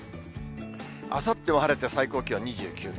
あさっても晴れて最高気温２９度。